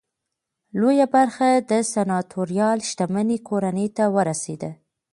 لویه برخه د سناتوریال شتمنۍ کورنۍ ته ورسېده.